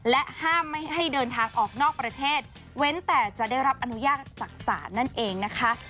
และห้ามไม่ให้เดินทางออกนอกประเทศเว้นแต่จะได้รับอนุญาตจากศาลนั่นเองนะคะ